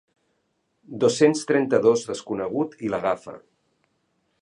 Dos-cents trenta-dos desconegut i l'agafa.